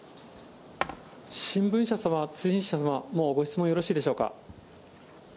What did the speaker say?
新聞社様、通信社様、もうご質問よろしいでしょうか。